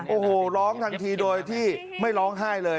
โอ้โหร้องทันทีโดยที่ไม่ร้องไห้เลย